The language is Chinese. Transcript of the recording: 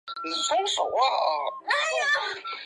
他已婚并育有一子一女。